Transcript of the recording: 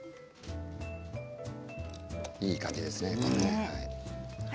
いい感じですね。